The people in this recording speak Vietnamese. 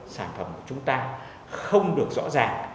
sản phẩm của chúng ta không được rõ ràng